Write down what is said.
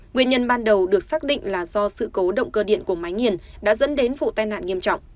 nguyên nhân ban đầu được xác định là do sự cố động cơ điện của máy nghiền đã dẫn đến vụ tai nạn nghiêm trọng